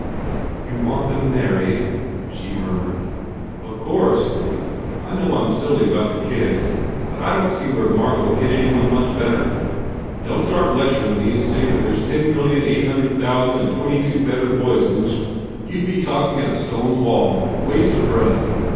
"You want them married?" she murmured. "Of course. I know I m silly about the kids but I don t see where Margot ll get any one much better. Don t start lecturin me and say that there s ten million eight hundred thousand and twenty two better boys loose around than 183 THE FAIR REWARDS Gurdy. You d be talking at a stone wall. Waste of breath.